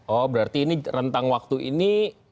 oh berarti ini rentang waktu ini